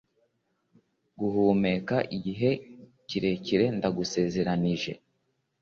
guhumeka igihe kirekire. ndagusezeranije